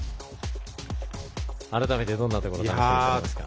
改めてどんなところを楽しみにしていますか？